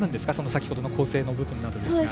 先ほどの構成の部分などですが。